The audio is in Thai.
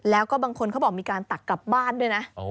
แล้วก็บางคนเขาบอกมีการตักกลับบ้านด้วยนะ